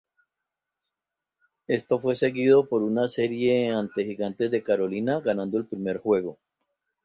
Esto fue seguido por una serie ante Gigantes de Carolina, ganando el primer juego.